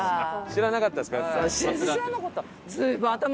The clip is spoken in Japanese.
知らなかったですか？